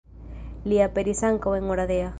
Li aperis ankaŭ en Oradea.